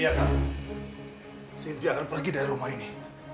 iya kak sintia akan pergi dari rumah ini